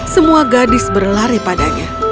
semua gadis berlari padanya